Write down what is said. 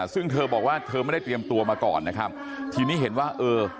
ซึ่งเธอบอกว่าเธอไม่ได้เตรียมตัวมาก่อนนะครับทีนี้เห็นว่าเออ